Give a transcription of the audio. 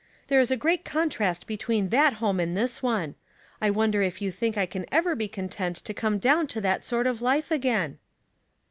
" There is a great contrast between that home and this one. I wonder if you think I can ever be content to come down to that sort of life again